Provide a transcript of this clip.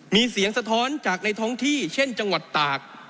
มีเสียงสะท้อนจากในท้องที่เช่นจังหวัดตาก